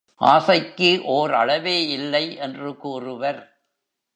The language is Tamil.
ஆசைக்கு ஒர் அளவே இல்லை என்று கூறுவர்.